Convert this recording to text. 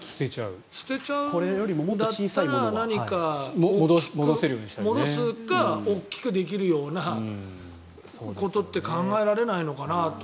捨てちゃうんだったら戻すか大きくできるようなことって考えられないのかなって。